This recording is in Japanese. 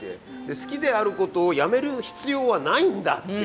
好きであることをやめる必要はないんだって。